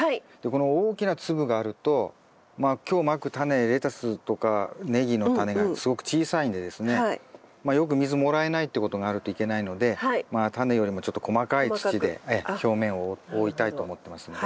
この大きな粒があるとまあ今日まくタネレタスとかネギのタネがすごく小さいんでですねよく水もらえないっていうことがあるといけないのでタネよりもちょっと細かい土で表面を覆いたいと思ってますんで。